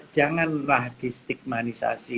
janganlah di stigmanisasi